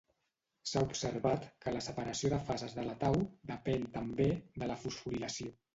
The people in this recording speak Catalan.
S'ha observat que la separació de fases de la tau depèn també de la fosforilació.